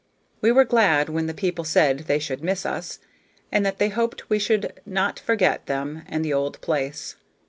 We were glad when the people said they should miss us, and that they hoped we should not forget them and the old place.